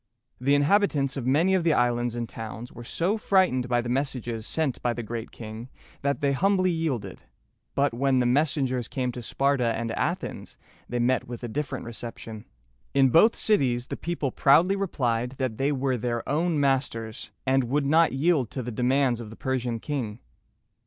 The inhabitants of many of the islands and towns were so frightened by the messages sent by The Great King, that they humbly yielded; but when the messengers came to Sparta and Athens, they met with a different reception. In both cities the people proudly replied that they were their own masters, and would not yield to the demands of the Persian king.